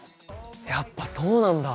やっぱそうなんだ。